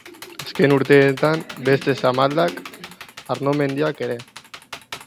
Azken urtetan beste samaldak Arno mendian ere.